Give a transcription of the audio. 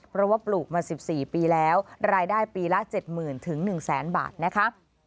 เพราะว่าปลูกมา๑๔ปีแล้วรายได้ปีละ๗๐๐๐๑๐๐๐บาทนะคะ